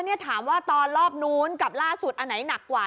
นี่ถามว่าตอนรอบนู้นกับล่าสุดอันไหนหนักกว่า